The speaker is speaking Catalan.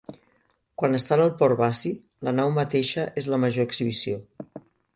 Quan està en el port basi, la nau mateixa és la major exhibició.